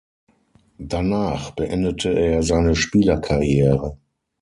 Danach beendete er seine Spielerkarriere.